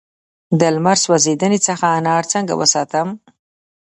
د لمر سوځیدنې څخه انار څنګه وساتم؟